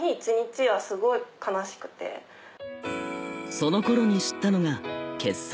その頃に知ったのが。